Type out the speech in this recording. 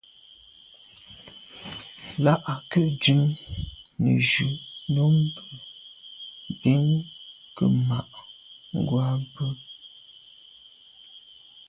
Là à ke’ dùm nejù nummbe bin ke’ ma’ ngwa bwe.